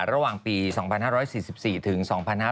ระหว่างปี๒๕๔๔ถึง๒๕๕๙